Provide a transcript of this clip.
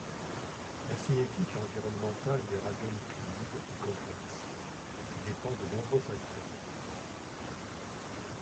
La cinétique environnementale des radionucléides est complexe et dépend de nombreux facteurs.